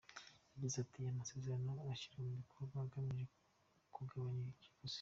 Yagize ati ““Aya masezerano ashyirwa mu bikorwa, agamije kugabanya ikiguzi.